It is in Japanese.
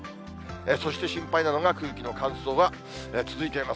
そして心配なのが、空気の乾燥が続いています。